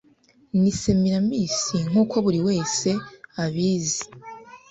Ni Semiramis nkuko buri wese abizi